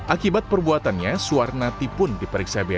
akibat perbuatannya suar nati pun diperiksa berikutnya